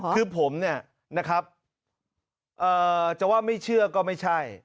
คือผมเนี่ยนะครับจะว่าไม่เชื่อก็ไม่ใช่